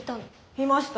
いましたよ。